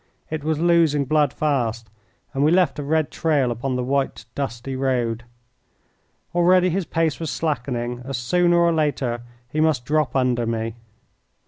It was losing blood fast, and we left a red trail upon the white, dusty road. Already his pace was slackening, and sooner or later he must drop under me.